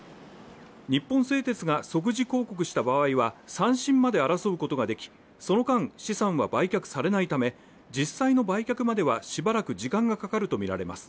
日本製鉄が即時抗告した場合は３審まで争うことができその間、資産は売却されないため実際の売却まではしばらく時間がかかるとみられます。